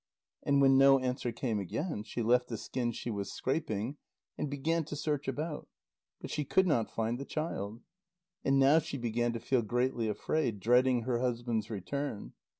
And when no answer came again, she left the skin she was scraping, and began to search about. But she could not find the child. And now she began to feel greatly afraid, dreading her husband's return.